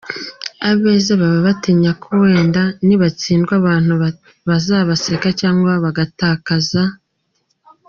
Abeza baba batinya ko wenda nibastindwa abantu bazabaseka cyangwa bagatakaza.